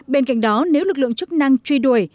bên cạnh đó nếu lực lượng chức năng truy đuổi